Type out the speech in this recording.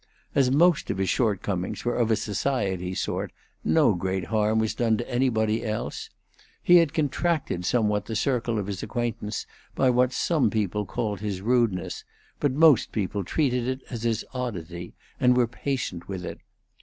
As most of his shortcomings were of a society sort, no great harm was done to anybody else. He had contracted somewhat the circle of his acquaintance by what some people called his rudeness, but most people treated it as his oddity, and were patient with it.